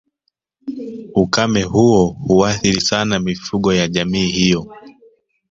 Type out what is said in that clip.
Ukame huo huathiri sana mifugo ya jamii hiyo